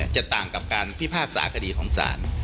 จะต่างกับการพิพากษาคดีของศาล